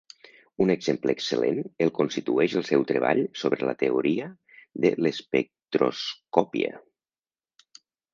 Un exemple excel·lent el constitueix el seu treball sobre la teoria de l'espectroscòpia.